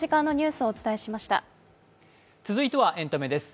続いてはエンタメです。